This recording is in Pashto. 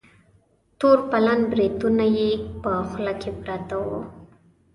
تور پلن بریتونه یې په خوله کې پراته وه.